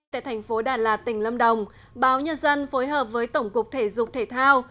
tại thành phố đà lạt tỉnh lâm đồng báo nhân dân phối hợp với tổng cục thể dục thể thao